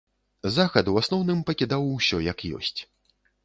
Захад у асноўным пакідаў усё як ёсць.